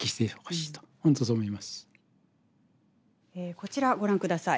こちらご覧ください。